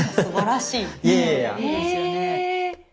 すばらしい。